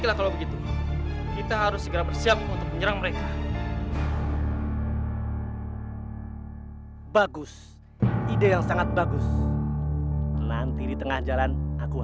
kalau begitu kau harus mati di tanganku